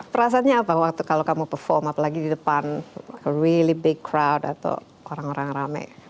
perasaannya apa waktu kalau kamu perform apalagi di depan really back crowd atau orang orang rame